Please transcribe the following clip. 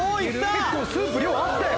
結構スープ量あったよ。